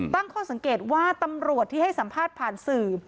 ตั้งข้อสังเกตว่าตำรวจที่ให้สัมภาษณ์ผ่านสื่อ